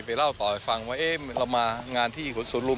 ไปเล่าต่อฟังว่าเรามางานที่ศูนย์รูม